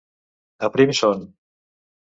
A prim son.